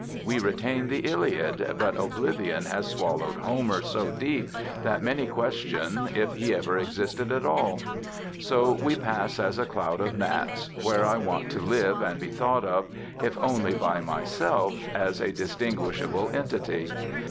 We retain the Iliad, but oblivion has swallowed Homer so deep that many question if he ever existed at all.... So we pass as a cloud of gnats, where I want to live and be thought of, if only by myself, as a distinguishable entity.